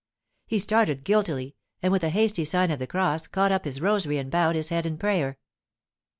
He started guiltily, and with a hasty sign of the cross caught up his rosary and bowed his head in prayer.